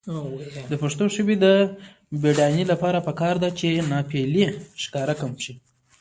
د پښتو ژبې د بډاینې لپاره پکار ده چې ناپییلي ښکار کم شي.